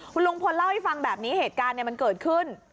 คุณลุงพลเล่าให้ฟังแบบนี้เหตุการณ์มันเกิดขึ้น